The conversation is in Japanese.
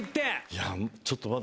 いやちょっとまだ。